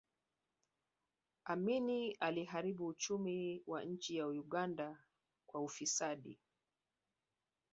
amini aliharibu uchumi wa nchi ya uganda kwa ufisadi